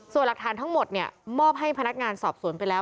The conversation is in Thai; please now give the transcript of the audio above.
ส่วนหลักฐานทั้งหมดมอบให้พนักงานสอบสวนไปแล้ว